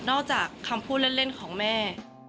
จากคำพูดเล่นของแม่